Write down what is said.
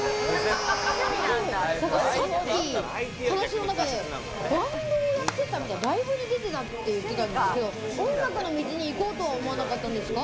さっき話の中でバンドをやってたみたいな、ライブに出てたって言ってたんですけれども、音楽の道に行こうとは思わなかったんですか？